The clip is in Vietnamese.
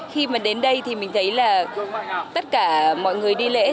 khi mà đến đây thì mình thấy là tất cả mọi người đi lễ